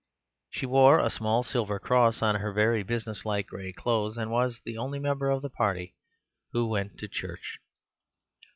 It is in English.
She wore a small silver cross on her very business like gray clothes, and was the only member of the party who went to church.